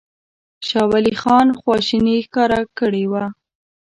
شاه ولي خان خواشیني ښکاره کړې وه.